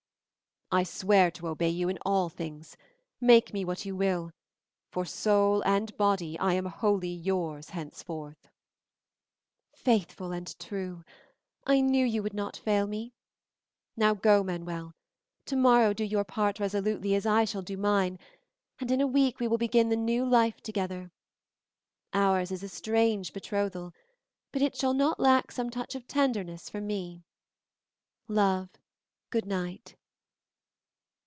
"I swear to obey you in all things; make me what you will, for soul and body I am wholly yours henceforth." "Faithful and true! I knew you would not fail me. Now go, Manuel. Tomorrow do your part resolutely as I shall do mine, and in a week we will begin the new life together. Ours is a strange betrothal, but it shall not lack some touch of tenderness from me. Love, good night."